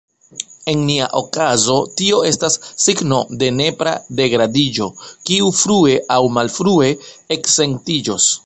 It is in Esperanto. En nia okazo tio estas signo de nepra degradiĝo, kiu frue aŭ malfrue eksentiĝos.